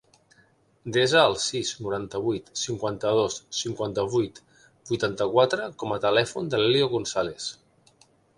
Desa el sis, noranta-vuit, cinquanta-dos, cinquanta-vuit, vuitanta-quatre com a telèfon de l'Elio Gonzalez.